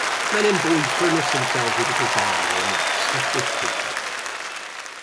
Men and boys furnished themselves with little bags or nets stuffed with paper.